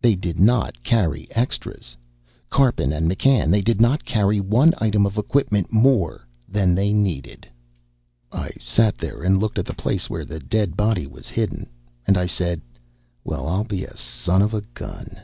They did not carry extras, Karpin and McCann, they did not carry one item of equipment more than they needed. I sat there and looked at the place where the dead body was hidden, and I said, "Well, I'll be a son of a gun!"